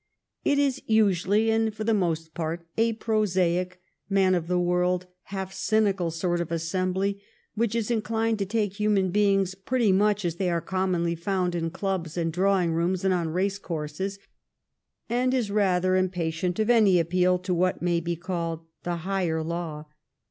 It is usually and for the most part a prosaic, man of the world, half cynical sort of assembly which is inclined to take human beings pretty much as they are commonly found in clubs and drawing rooms and on race courses, and is rather impa tient of any appeal to what may be called the higher law.